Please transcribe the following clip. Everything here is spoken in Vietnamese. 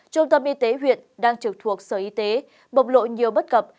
trung tâm y tế huyện đang trực thuộc sở y tế bộc lộ nhiều bất cập